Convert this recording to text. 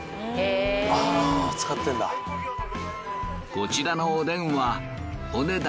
こちらのおでんはお値段